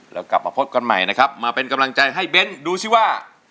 แล้วกลับมาพบกันใหม่นะครับมาเป็นกำลังใจให้เบ้นดูสิว่า